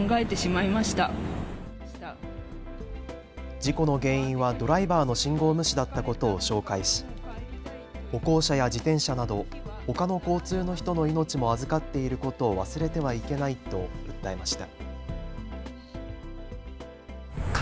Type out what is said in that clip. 事故の原因はドライバーの信号無視だったことを紹介し歩行者や自転車などほかの交通の人の命も預かっていることを忘れてはいけないと訴えました。